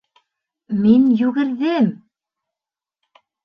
— Мин йүгерҙем...